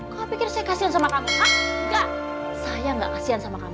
kau pikir saya kasian sama kamu enggak saya gak kasihan sama kamu